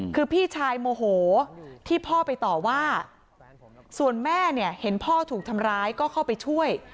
คือพี่ชายโมโหที่พ่อไปต่อว่าส่วนแม่เนี่ยเห็นพ่อถูกทำร้ายก็เข้าไปช่วย